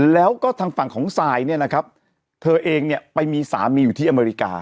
แล้วก็ไปทางฝั่งของซายเนี่ยนะเขาเองไปมีสามีอยู่ที่อเมริกา